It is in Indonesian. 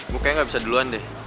gue kayaknya gak bisa duluan deh